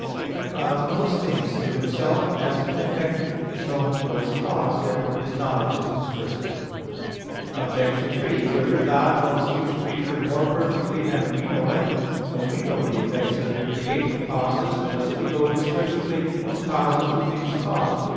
But God knows things through Himself; as an effect (is known) through its cause. Therefore His knowledge is discursive. Obj. 3: Further, God knows each creature more perfectly than we know it. But we know the effects in their created causes; and thus we go discursively from causes to things caused.